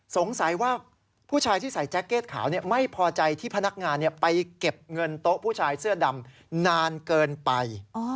สงสัยว่าผู้ชายที่ใส่แจ็คเก็ตขาวไม่พอใจที่พนักงานไปเก็บเงินโต๊ะผู้ชายเสื้อดำนานเกินไป